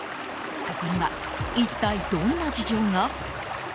そこには一体、どんな事情が？